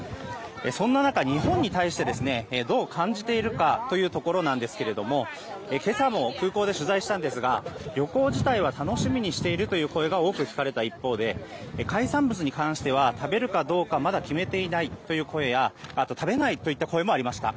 そんな中、日本に対してどう感じているかというところですが今朝も空港で取材したんですが旅行自体は楽しみにしているという声が多く聞かれた一方で海産物に関しては食べるかどうかまだ決めていないという声や食べないといった声もありました。